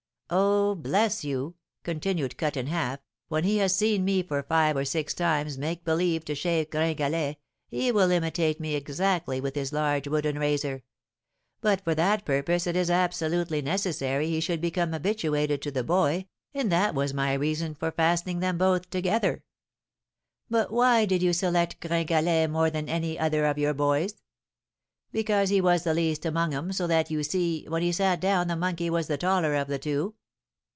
'Oh, bless you!' continued Cut in Half, 'when he has seen me for five or six times make believe to shave Gringalet, he will imitate me exactly with his large wooden razor; but for that purpose it is absolutely necessary he should become habituated to the boy, and that was my reason for fastening them both together.' 'But why did you select Gringalet more than any other of your boys?' 'Because he was the least among 'em, so that, you see, when he sat down the monkey was the taller of the two.